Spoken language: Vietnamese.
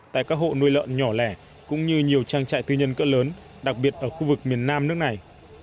tại các hộ nuôi lợn nhỏ lẻ cũng như nhiều trang trại tư nhân cỡ lớn đặc biệt ở khu vực miền nam nước này